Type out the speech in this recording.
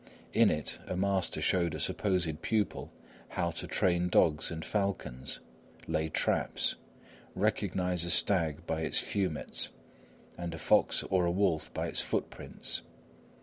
In it, a master showed a supposed pupil how to train dogs and falcons, lay traps, recognise a stag by its fumets, and a fox or a wolf by footprints.